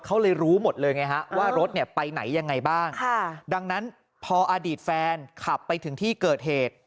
เขาเลยรู้หมดเลยไงฮะว่ารถเนี่ยไปไหนยังไงบ้างดังนั้นพออดีตแฟนขับไปถึงที่เกิดเหตุ